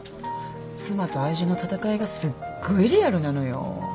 妻と愛人の戦いがすっごいリアルなのよ。